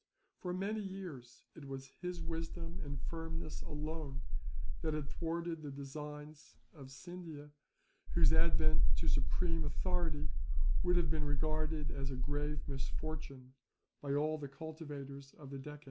For many years, it was his wisdom and firmness alone that had thwarted the designs of Scindia, whose advent to supreme authority would have been regarded as a grave misfortune, by all the cultivators of the Deccan.